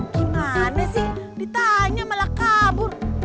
gimana sih ditanya malah kabur